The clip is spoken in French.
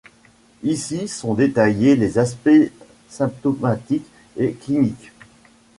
Ici sont détaillés les aspects symptomatiques et cliniques.